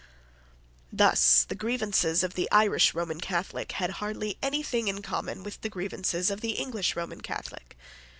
Thus the grievances of the Irish Roman Catholic had hardly anything in common with the grievances of the English Roman Catholic.